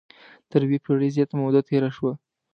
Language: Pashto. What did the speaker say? تر یوې پېړۍ زیاته موده تېره شوه.